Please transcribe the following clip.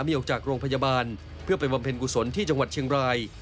สบสามีออกจากโรงพยาบาลเพื่อไปวำเผนกุศลที่จเชียงราย